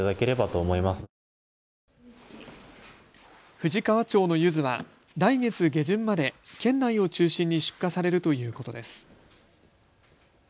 富士川町のゆずは来月下旬まで県内を中心に出荷されるということです。